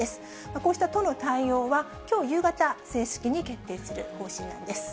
こうした都の対応はきょう夕方、正式に決定する方針なんです。